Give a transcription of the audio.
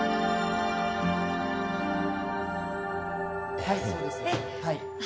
はいそうですはい。